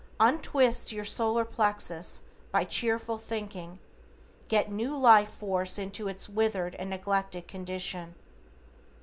Untwist your solar plexus by cheerful thinking, get new life force into its withered and neglected condition.